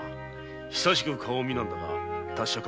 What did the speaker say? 久しく顔見なんだが達者か？